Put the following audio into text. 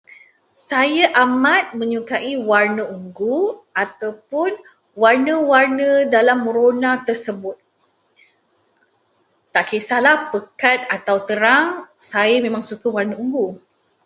Saya amat menyukai warna ungu atupun warna-warna dalam rona tersebut. Tak kisahlah pekat atau terang, saya memang suka warna ungu.